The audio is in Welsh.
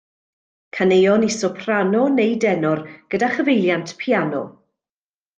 Caneuon i soprano neu denor gyda chyfeiliant piano.